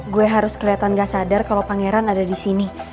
gue harus kelihatan gak sadar kalau pangeran ada di sini